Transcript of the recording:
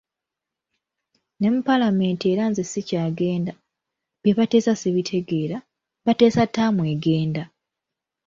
Ne mu paalamenti era nze sikyagenda, bye bateesa sibitegeera, bateesa ttaamu egenda.